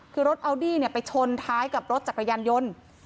คือรถอัลดี้ไปชนท้ายกับรถจักรยานยนต์